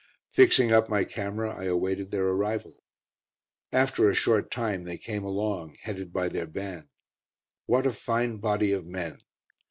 Fixing up my camera, I awaited their arrival. After a short time they came along, headed by their band. What a fine body of men!